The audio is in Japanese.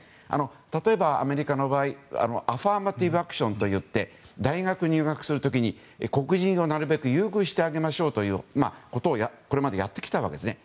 例えば、アメリカの場合アファーマティブ・アクションといって大学入学する時に黒人をなるべく優遇してあげましょうということをこれまでやってきたわけですね。